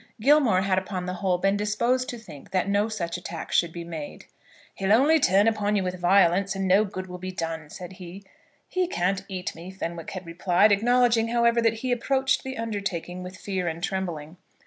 Gilmore had upon the whole been disposed to think that no such attack should be made. "He'll only turn upon you with violence, and no good will be done," said he. "He can't eat me," Fenwick had replied, acknowledging, however, that he approached the undertaking with fear and trembling.